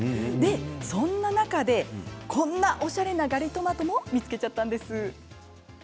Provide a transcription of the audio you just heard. そんな中で、こんなおしゃれなガリトマトも見つけちゃいました。